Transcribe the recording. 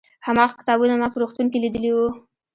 هماغه کتابونه ما په روغتون کې لیدلي وو.